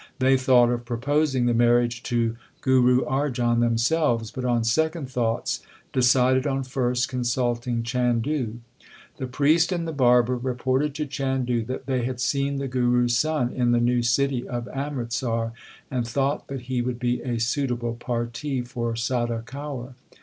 They thought of proposing the marriage to Guru Arjan themselves, but on second thoughts decided on first consulting Chandu. The priest and the barber reported to Chandu that they had seen the Guru s son in the new city of Amritsar, and thought that he would be a suitable parti for Sada Kaur.